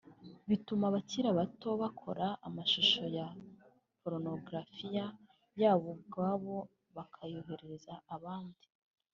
bituma abakira bato bakora amashusho ya porunogarafiya yabo ubwabo bakayoherereza abandi